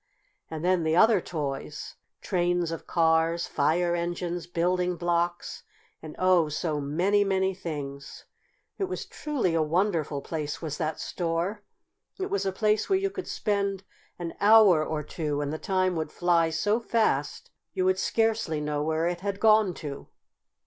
And then the other toys trains of cars, fire engines, building blocks, and oh! so many, many things! It was truly a wonderful place, was that store. It was a place where you could spend an hour or two and the time would fly so fast you would scarcely know where it had gone to.